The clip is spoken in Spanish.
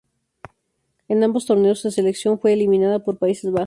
En ambos torneos su selección fue eliminada por Países Bajos.